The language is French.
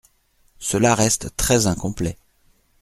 Cela reste très incomplet.